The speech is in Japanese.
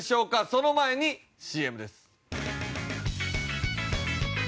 その前にＣＭです。